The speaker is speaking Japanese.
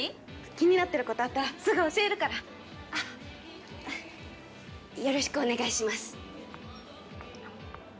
気になってることあったらすぐ教えるからあっよろしくお願いします